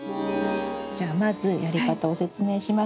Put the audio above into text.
じゃあまずやり方を説明します。